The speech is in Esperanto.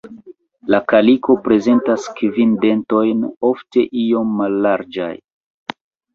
La kaliko prezentas kvin dentojn, ofte iom mallarĝaj.